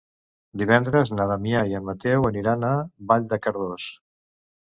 Divendres na Damià i en Mateu aniran a Vall de Cardós.